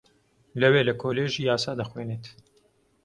لەوێ لە کۆلێژی یاسا دەخوێنێت